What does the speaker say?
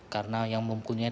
karena yang memungkinkan